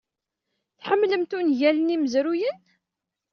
Tḥemmlemt ungalen imezruyanen?